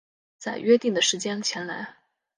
在约定的时间前来